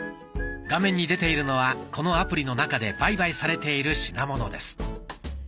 画面に出ているのはこのアプリの中で売買されている品物です。